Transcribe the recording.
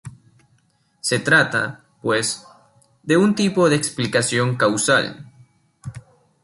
Se trata, pues, de un tipo de explicación causal.